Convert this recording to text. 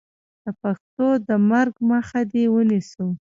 د پښتو د مرګ مخه دې ونیسو.